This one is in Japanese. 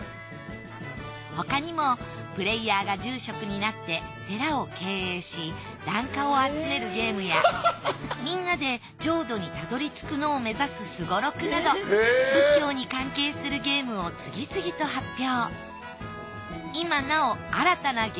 他にもプレーヤーが住職になって寺を経営し檀家をあつめるゲームやみんなで浄土にたどり着くのを目指すすごろくなど仏教に関係するゲームを次々と発表。